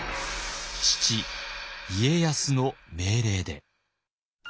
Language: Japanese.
父家康の命令で。